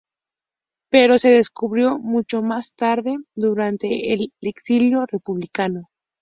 Pero se descubrió mucho más tarde, durante el exilio republicano.